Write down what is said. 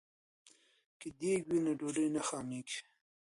که دیګ وي نو ډوډۍ نه خامېږي.